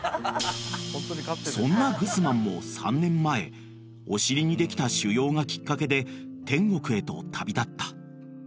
［そんなグスマンも３年前お尻にできた腫瘍がきっかけで天国へと旅立った］